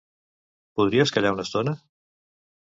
Podries callar una estona?